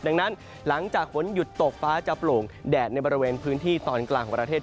ดังนั้นหลังจากฝนหยุดตกฟ้าจะโปร่งแดดในบริเวณพื้นที่ตอนกลางของประเทศ